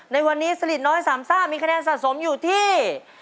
ในวันนี้สลิดน้อยสามซ่ามีคะแนนสะสมอยู่ที่